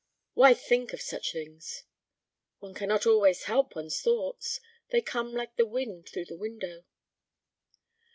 "Why think of such things?" "One cannot always help one's thoughts; they come like the wind through the window."